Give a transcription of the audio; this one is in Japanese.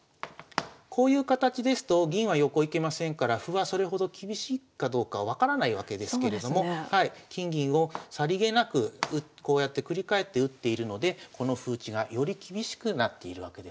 こういう形ですと銀は横行けませんから歩はそれほど厳しいかどうか分からないわけですけれども金銀をさりげなくこうやって繰り替えて打っているのでこの歩打ちがより厳しくなっているわけですね。